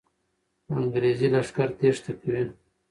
انګریزي لښکر تېښته کوي.